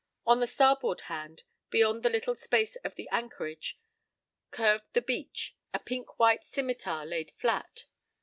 On the starboard hand, beyond the little space of the anchorage, curved the beach, a pink white scimitar laid flat.